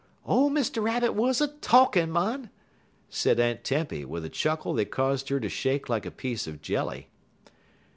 '" "Ole Mr. Rabbit wuz a talkin', mon," said Aunt Tempy, with a chuckle that caused her to shake like a piece of jelly.